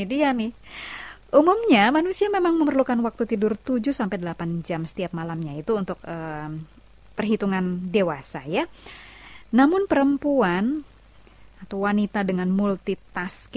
dan sinar kasih surga menulis